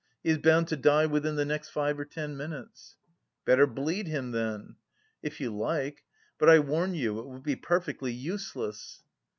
He is bound to die within the next five or ten minutes." "Better bleed him then." "If you like.... But I warn you it will be perfectly useless."